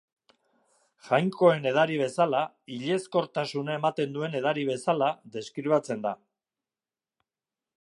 Jainkoen edari bezala, hilezkortasuna ematen duen edari bezala, deskribatzen da.